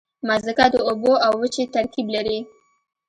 مځکه د اوبو او وچې ترکیب لري.